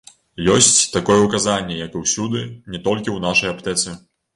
Ёсць такое ўказанне, як і ўсюды, не толькі ў нашай аптэцы.